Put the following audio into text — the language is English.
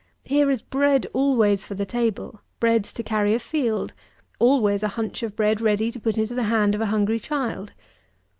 Here is bread always for the table. Bread to carry a field; always a hunch of bread ready to put into the hand of a hungry child.